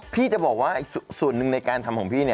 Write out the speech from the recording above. พี่จะบอกว่าส่วนหนึ่งในการทำของพี่